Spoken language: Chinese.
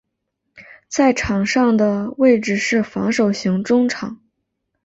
在场上的位置是防守型中场。